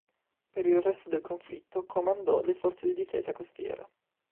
Per il resto del conflitto comandò le forze di difesa costiera.